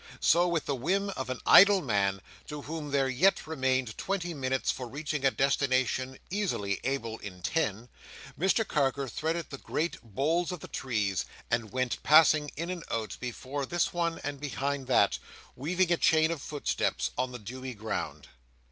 So, with the whim of an idle man, to whom there yet remained twenty minutes for reaching a destination easily able in ten, Mr Carker threaded the great boles of the trees, and went passing in and out, before this one and behind that, weaving a chain of footsteps on the dewy ground.